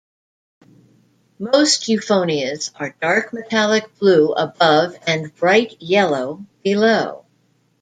Most euphonias are dark metallic blue above and bright yellow below.